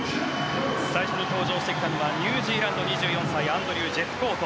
最初に登場してきたのはニュージーランドの２４歳アンドリュー・ジェフコート